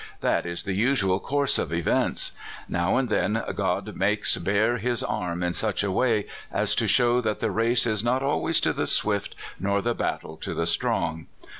That is the usual course of events. Now and then God makes bare his arm in such a way as to shoAV that the race is not always to the swift, nor the battle to the strong.